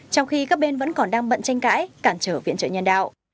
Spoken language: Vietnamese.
trong khi các bên vẫn còn đang bận tranh cãi cản trở viện trợ nhân đạo